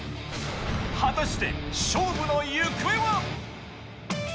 果たして、勝負の行方は？